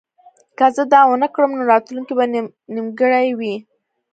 که زه دا ونه کړم نو راتلونکی به نیمګړی وي